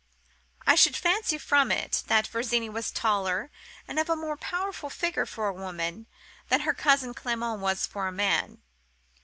I should fancy from it, that Virginie was taller and of a more powerful figure for a woman than her cousin Clement was for a man.